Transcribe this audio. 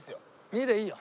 ２でいいよ。